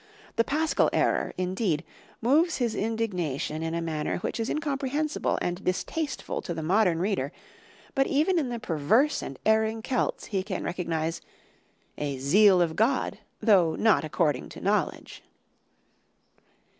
The Paschal error, indeed, moves his indignation in a manner which is incomprehensible and distasteful to the modern reader, but even in the perverse and erring Celts he can recognize "a zeal of God, though not according to knowledge."